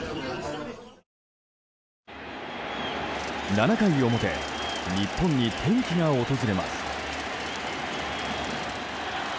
７回表日本に転機が訪れます。